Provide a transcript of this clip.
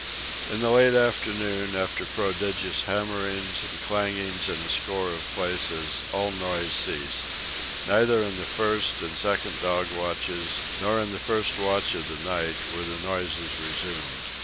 In the late afternoon, after prodigious hammerings and clangings in a score of places, all noises ceased. Neither in the first and second dog watches, nor in the first watch of the night, were the noises resumed.